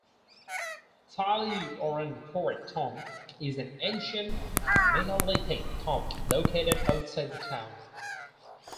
Tullyoran Court Tomb is an ancient megalithic tomb located outside the town.